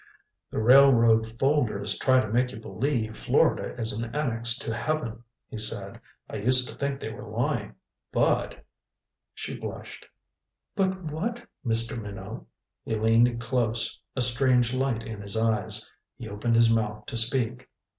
"The railroad folders try to make you believe Florida is an annex to Heaven," he said. "I used to think they were lying. But " She blushed. "But what, Mr. Minot?" He leaned close, a strange light in his eyes. He opened his mouth to speak.